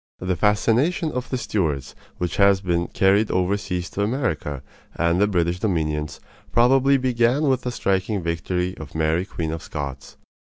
The fascination of the Stuarts, which has been carried overseas to America and the British dominions, probably began with the striking history of Mary Queen of Scots.